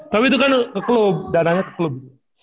kami itu kan ke klub dananya ke klub